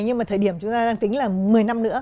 nhưng mà thời điểm chúng ta đang tính là một mươi năm nữa